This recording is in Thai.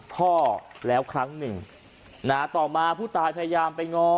พ่อแล้วครั้งหนึ่งนะต่อมาผู้ตายพยายามไปง้อ